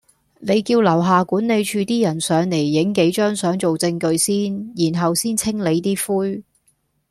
你叫樓下管理處啲人上嚟影幾張相做証據先，然後先清理啲灰